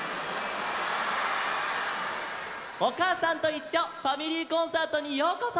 「おかあさんといっしょファミリーコンサート」にようこそ！